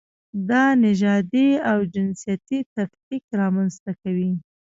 دا نژادي او جنسیتي تفکیک رامنځته کوي.